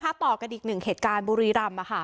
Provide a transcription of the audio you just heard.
ต่อกันอีกหนึ่งเหตุการณ์บุรีรำ